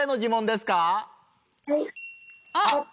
あっ。